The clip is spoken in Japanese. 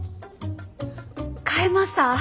買えました！？